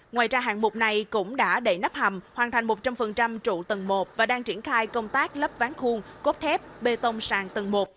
ngoài ra hạng mục này cũng đã đẩy nắp hầm hoàn thành một trăm linh trụ tầng một và đang triển khai công tác lắp ván khuôn cốp thép bê tông sàn tầng một